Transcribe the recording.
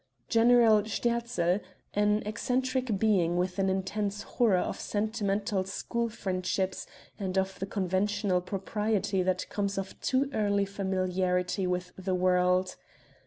General Sterzl an eccentric being with an intense horror of sentimental school friendships and of the conventional propriety that comes of too early familiarity with the world.